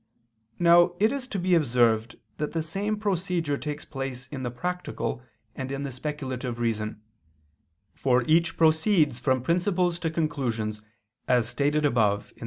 Now it is to be observed that the same procedure takes place in the practical and in the speculative reason: for each proceeds from principles to conclusions, as stated above (ibid.).